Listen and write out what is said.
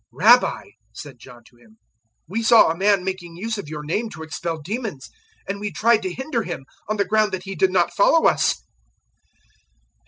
009:038 "Rabbi," said John to Him, "we saw a man making use of your name to expel demons, and we tried to hinder him, on the ground that he did not follow us."